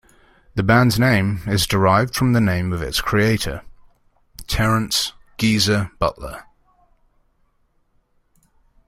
The band's name is derived from the name of its creator: Terence "Geezer" Butler.